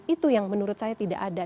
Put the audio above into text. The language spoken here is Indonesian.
itu yang menurut saya tidak ada